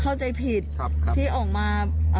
เข้าใจผิดที่ออกมา